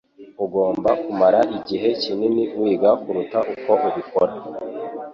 Ugomba kumara igihe kinini wiga kuruta uko ubikora.